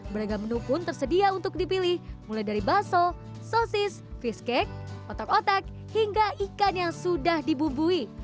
beragam menu pun tersedia untuk dipilih mulai dari bakso sosis fish cake otak otak hingga ikan yang sudah dibubui